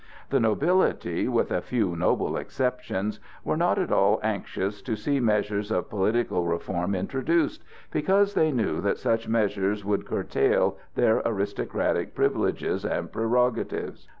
The nobility, with a few noble exceptions, were not at all anxious to see measures of political reform introduced, because they knew that such measures would curtail their aristocratic privileges and prerogatives.